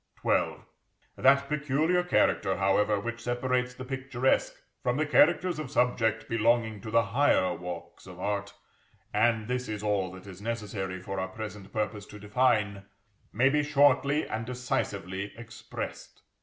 XII. That peculiar character, however, which separates the picturesque from the characters of subject belonging to the higher walks of art (and this is all that is necessary for our present purpose to define), may be shortly and decisively expressed.